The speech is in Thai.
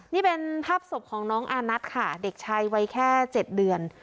นี่เป็นภาพศพของน้องอานัทค่ะเด็กชายวัยแค่๗เดือน